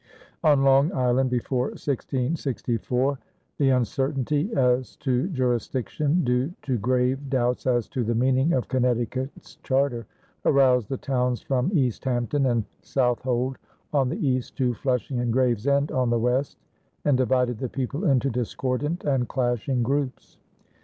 On Long Island before 1664, the uncertainty as to jurisdiction, due to grave doubts as to the meaning of Connecticut's charter, aroused the towns from Easthampton and Southold on the east to Flushing and Gravesend on the west, and divided the people into discordant and clashing groups.